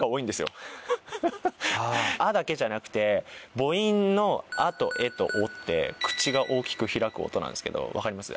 「あ」だけじゃなくて母音の「あ」と「え」と「お」って口が大きく開く音なんですけど分かります？